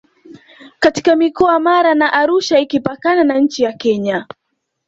katika mikoa ya Mara na Arusha ikipakana na nchi ya Kenya